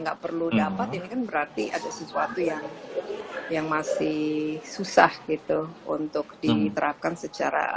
nggak perlu dapat ini kan berarti ada sesuatu yang yang masih susah gitu untuk diterapkan secara